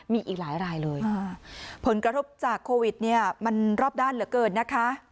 มีอีกหลายรายเลยผลกระทบจากโควิดเนี่ยมันรอบด้านเหลือเกินนะคะ